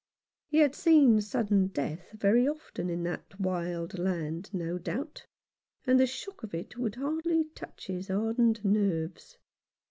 He had seen sudden death very often in that wild land, no doubt, and the shock of it would hardly touch ii5 Rough Justice. his hardened nerves.